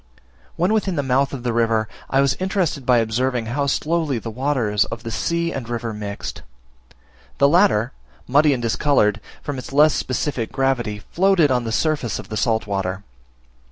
When within the mouth of the river, I was interested by observing how slowly the waters of the sea and river mixed. The latter, muddy and discoloured, from its less specific gravity, floated on the surface of the salt water.